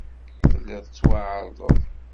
Telliḍ tettwaɛerḍeḍ?